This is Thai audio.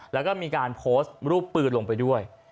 แล้วก็มีการโพสต์รูปปืนลงไปด้วย